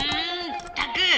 ったく！